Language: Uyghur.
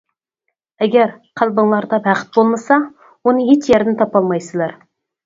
ئەگەر، قەلبىڭلاردا بەخت بولمىسا ئۇنى ھېچ يەردىن تاپالمايسىلەر.